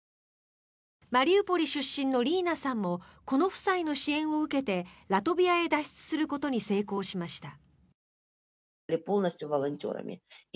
マリウポリ出身のリーナさんもこの夫妻の支援を受けてラトビアへ脱出することに成功しました。